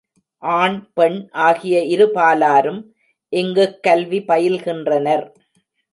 ஆண் பெண் ஆகிய இரு பாலரும் இங்குக் கல்வி பயில்கின்றனர்.